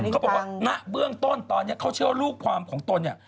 เขาบอกว่าณเบื้องต้นตอนนี้เขาเชื่อว่าลูกความของตนเนี่ย